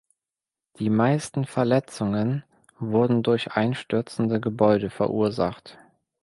Die meisten Verletzungen wurden durch einstürzende Gebäude verursacht.